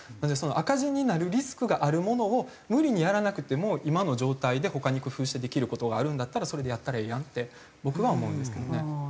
赤字になるリスクがあるものを無理にやらなくても今の状態で他に工夫してできる事があるんだったらそれでやったらええやんって僕は思うんですけどね。